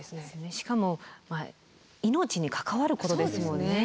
しかも命に関わることですもんね。